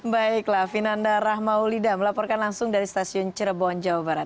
baiklah finanda rahmahulidah melaporkan langsung dari stasiun cerbon jawa barat